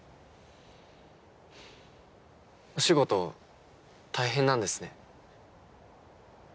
お仕事大変なんですね？